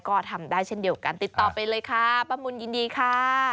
ก็ทำได้เช่นเดียวกันติดต่อไปเลยค่ะป้ามุนยินดีค่ะ